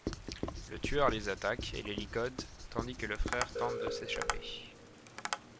Le tueur les attaque et les ligote, tandis que le frère tente de s'échapper.